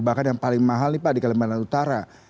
bahkan yang paling mahal nih pak di kalimantan utara